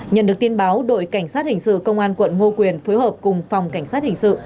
nhận được tin báo đội cảnh sát hình sự công an quận ngô quyền phối hợp cùng phòng cảnh sát hình sự